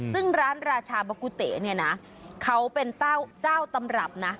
ซึ่งร้านราชาบะกุเต๋เนี่ยนะเขาเป็นเจ้าตำรับนะ